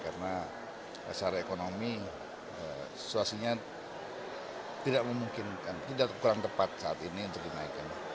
karena secara ekonomi situasinya tidak memungkinkan tidak kurang tepat saat ini untuk dinaikkan